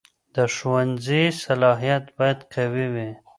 د ښوونځي صلاحیت باید قوي وي.